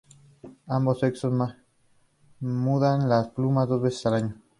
Ambos sexos mudan las plumas dos veces al año.